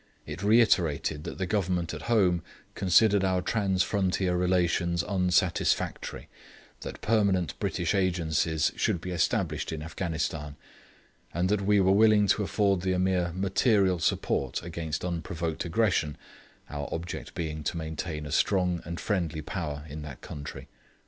It reiterated that the Government at home considered our trans frontier relations unsatisfactory; that permanent British Agencies should be established in Afghanistan; and that we were willing to afford the Ameer material support against unprovoked aggression, our object being to maintain a strong and friendly Power in that country.